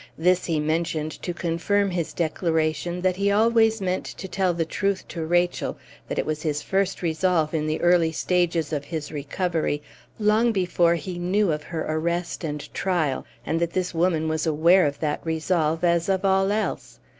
This he mentioned to confirm his declaration that he always meant to tell the truth to Rachel, that it was his first resolve in the early stages of his recovery, long before he knew of her arrest and trial, and that this woman was aware of that resolve as of all else.